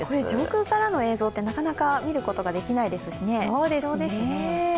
上空からの映像ってなかなか見ることができないですし貴重ですね。